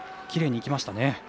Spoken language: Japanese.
きれいにいきましたね。